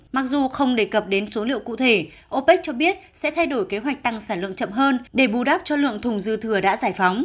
mặc dù không đề cập đến số liệu cụ thể opec cho biết sẽ thay đổi kế hoạch tăng sản lượng chậm hơn để bù đắp cho lượng thùng dư thừa đã giải phóng